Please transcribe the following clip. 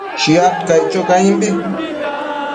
Shiad caic cho caimbi